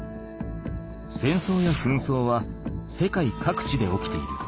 戦争や紛争は世界各地で起きている。